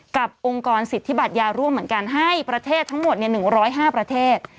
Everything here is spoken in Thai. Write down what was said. องค์กรสิทธิบัตรยาร่วมเหมือนกันให้ประเทศทั้งหมด๑๐๕ประเทศ